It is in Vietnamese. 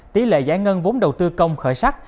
tỷ lệ giải ngân vốn đầu tư công khởi sắc